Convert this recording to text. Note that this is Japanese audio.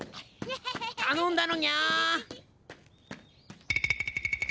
たのんだのニャ。